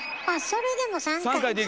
あそれでも３回。